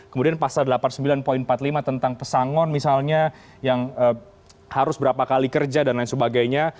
kemudian pasal delapan puluh sembilan poin empat puluh lima tentang pesangon misalnya yang harus berapa kali kerja dan lain sebagainya